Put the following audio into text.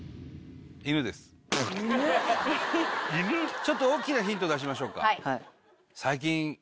ちょっとおっきなヒント出しましょうか。